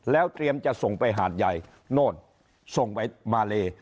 แล้วเตรียมจะส่งไปหาดใหญ่โน่นส่งไปมาเล